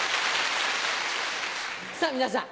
さぁ皆さん